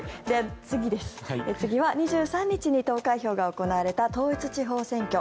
次は２３日に投開票が行われた統一地方選挙。